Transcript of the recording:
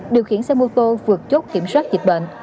điều khiển xe mô tô vượt chốt kiểm soát dịch bệnh